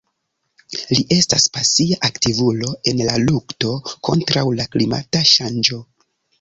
Li estas pasia aktivulo en la lukto kontraŭ la klimata ŝanĝo.